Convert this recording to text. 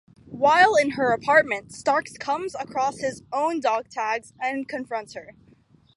While in her apartment, Starks comes across his own dogtags and confronts her.